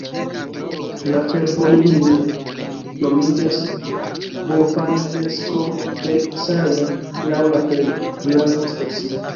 La fervojlinio nomiĝas Bovanenskovskaja laŭ la plej grava stacio.